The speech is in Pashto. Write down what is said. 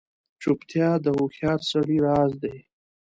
چوپتیا، د هوښیار سړي راز دی.